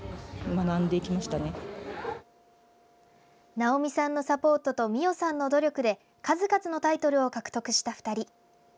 直美さんのサポートと美青さんの努力で数々のタイトルを獲得した２人。